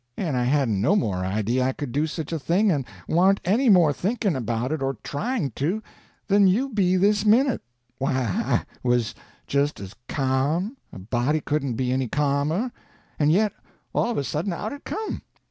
And I hadn't no more idea I could do such a thing, and warn't any more thinking about it or trying to, than you be this minute. Why, I was just as ca'm, a body couldn't be any ca'mer, and yet, all of a sudden, out it come.